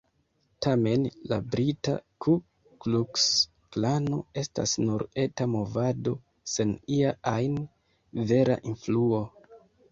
Tamen, la brita Ku-Kluks-Klano estas nur eta movado, sen ia ajn vera influo.